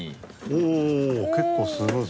おおっ結構スムーズ。